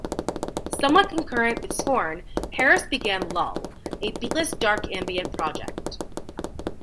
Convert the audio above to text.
Somewhat concurrent with Scorn, Harris began Lull, a beatless dark ambient project.